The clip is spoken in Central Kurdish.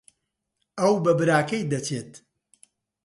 ئەو بە براکەی دەچێت.